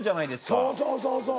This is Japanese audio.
そうそうそうそう。